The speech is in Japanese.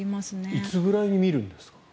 いつぐらいに見るんですか？